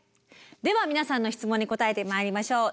では皆さんの質問に答えてまいりましょう。